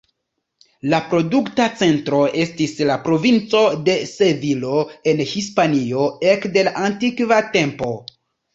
La produkta centro estis la provinco de Sevilo en Hispanio ekde la antikva tempo.